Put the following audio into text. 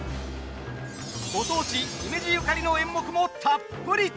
ご当地姫路ゆかりの演目もたっぷりと。